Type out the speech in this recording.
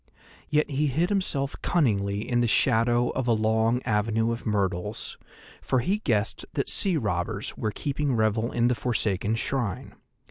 Yet he hid himself cunningly in the shadow of a long avenue of myrtles, for he guessed that sea robbers were keeping revel in the forsaken shrine.